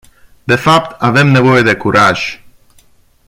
De fapt avem nevoie de curaj!